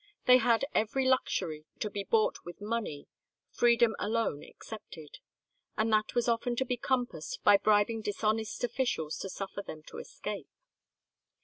They had every luxury to be bought with money, freedom alone excepted, and that was often to be compassed by bribing dishonest officials to suffer them to escape.